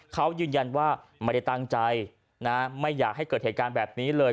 เขายืนยันว่าไม่ได้ตั้งใจนะไม่อยากให้เกิดเหตุการณ์แบบนี้เลย